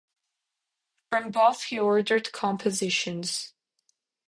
From both he ordered compositions.